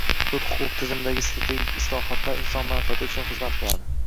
Sud-huquq tizimidagi strategik islohotlar inson manfaatlari uchun xizmat qilading